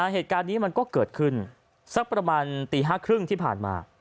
เหตุการณ์นี้มันก็เกิดขึ้นสักประมาณตี๕๓๐ที่ผ่านมา